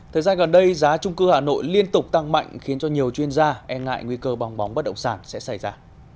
thời gian gần đây giá trung cư hà nội liên tục tăng mạnh khiến cho nhiều chuyên gia e ngại nguy cơ bong bóng bất động sản sẽ xảy ra